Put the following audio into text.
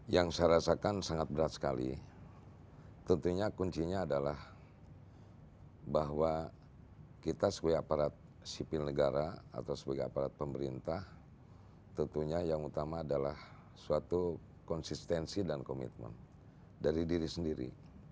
yang saya rasakan sangat berat sekali tentunya kuncinya adalah bahwa kita sebagai aparat sipil negara atau sebagai aparat pemerintah tentunya yang utama adalah suatu konsistensi dan komitmen dari diri sendiri